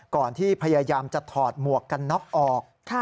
ก่อนที่พยายามจะถอดหมวกกันน็อกออก